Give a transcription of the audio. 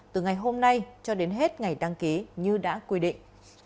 từ ngày hôm nay cho đến hết ngày đăng ký như đã quy định